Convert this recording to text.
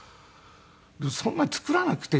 そんなに作らなくていい。